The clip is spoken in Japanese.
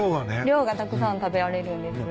量がたくさん食べられるんです。